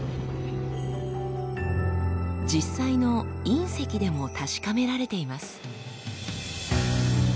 実際の隕石でも確かめられています。